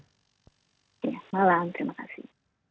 selamat malam terima kasih